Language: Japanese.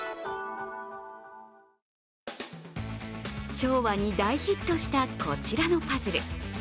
昭和に大ヒットしたこちらのパズル。